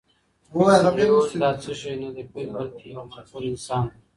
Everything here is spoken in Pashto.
سړي وویل چې دا څه شی نه دی، بلکې یو منفور انسان دی.